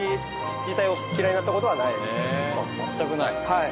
はい。